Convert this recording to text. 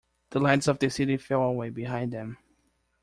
The lights of the city fell away behind them.